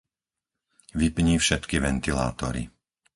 Vypni všetky ventilátory.